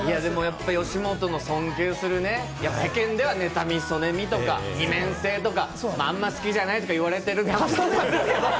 吉本の尊敬する、いや、世間では妬み嫉みとか二面性とか、あんま好きじゃないとか言われてますけど。